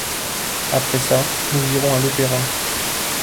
Après ça, nous irons à l’Opéra.